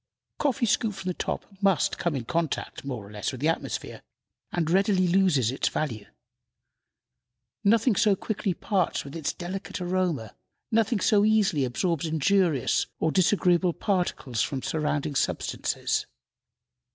Coffee scooped from the top must come in contact, more or less, with the atmosphere, and readily loses its value. Nothing so quickly parts with its delicate aroma; nothing so easily absorbs injurious or disagreeable particles from surrounding substances.